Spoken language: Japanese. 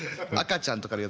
赤ちゃんとかの。